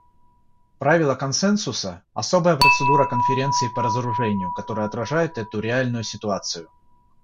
Правило консенсуса — особая процедура Конференции по разоружению, которая отражает эту реальную ситуацию.